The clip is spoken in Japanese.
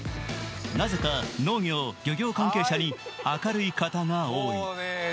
なぜか農業、漁業関係者に明るい方が多い。